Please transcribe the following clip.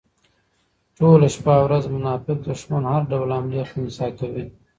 ټوله شپه او ورځ د منافق دښمن هر ډول حملې خنثی کوي